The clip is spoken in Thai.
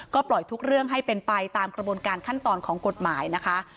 ก็ปล่อยทุกเรื่องให้เป็นไปตามกระบวนการขั้นตอนของกฎหมายนะคะ